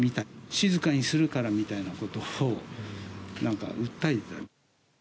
静かにするからみたいなことを、なんか訴えていた。